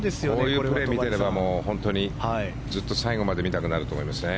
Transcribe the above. こういうプレーを見ていれば本当にずっと最後まで見たくなると思いますね。